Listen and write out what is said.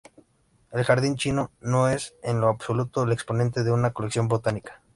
El jardín chino no es, en lo absoluto, el exponente de una colección botánica.